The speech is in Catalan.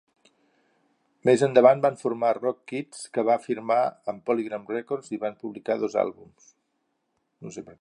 Més endavant van formar Rock Kids que va firmar amb Polygram Records i van publicar dos àlbums.